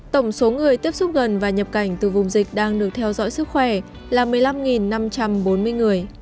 tổng số người tiếp xúc gần và nhập cảnh từ vùng dịch đang được theo dõi sức khỏe là một mươi năm năm trăm bốn mươi người